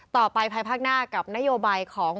ภายภาคหน้ากับนโยบายของ